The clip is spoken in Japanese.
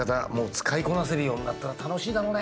使いこなせるようになったら楽しいだろうね。